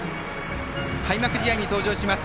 開幕試合に登場します。